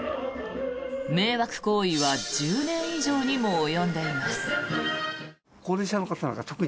迷惑行為は１０年以上にも及んでいます。